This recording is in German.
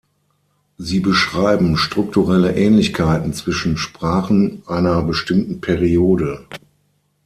Sie beschreiben strukturelle Ähnlichkeiten zwischen Sprachen einer bestimmten Periode.